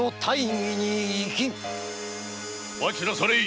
・待ちなされい！